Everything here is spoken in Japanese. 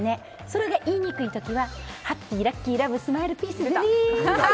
それが言いにくい時はハッピー、ラッキースマイル、ピース！って。